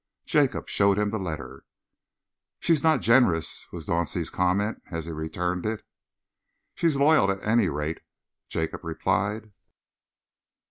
Jacob showed him the letter. "She's not generous," was Dauncey's comment, as he returned it. "She's loyal, at any rate," Jacob replied.